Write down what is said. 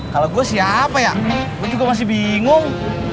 kalau gue siapa ya gue juga masih bingung